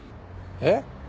えっ？